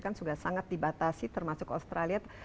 kan sudah sangat dibatasi termasuk australia